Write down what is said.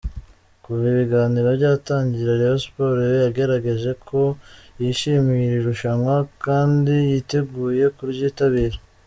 Kuva ibiganiro byatangira Rayon Sports yagaragaje ko yishimiye iri rushanwa kandi yiteguye kuryitabira.